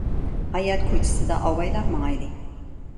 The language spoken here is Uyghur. ھايات كوچىسىدا ئاۋايلاپ ماڭايلى !